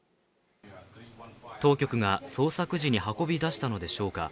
当局が捜索時に運び出したのでしょうか。